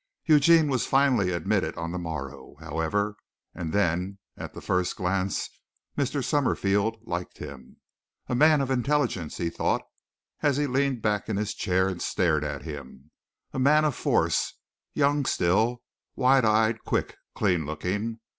Eugene was finally admitted on the morrow, however, and then, at the first glance, Mr. Summerfield liked him. "A man of intelligence," he thought, as he leaned back in his chair and stared at him. "A man of force. Young still, wide eyed, quick, clean looking.